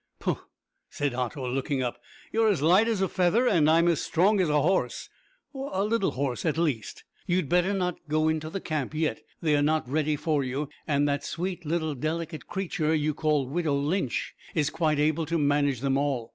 "Pooh!" said Otto, looking up, "you're as light as a feather, and I'm as strong as a horse, a little horse, at least. You'd better not go to the camp yet, they are not ready for you, and that sweet little delicate creature you call widow Lynch is quite able to manage them all.